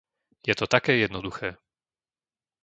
Je to také jednoduché.